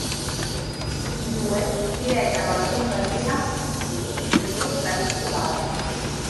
I due si recano alla Compagnia e lì le loro strade si separano.